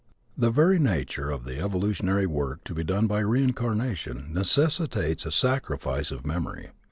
The very nature of the evolutionary work to be done by reincarnation necessitates a sacrifice of memory.